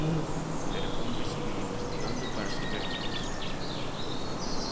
Pero cómpre seguir investigando para saber máis.